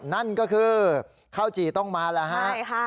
นั่นก็คือข้าวจี่ต้องมาแล้วฮะใช่ค่ะ